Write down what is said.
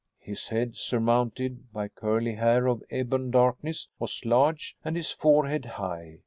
His head, surmounted by curly hair of ebon darkness, was large, and his forehead high.